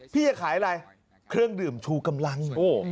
พี่จะขายอะไรเครื่องดื่มชูกำลัง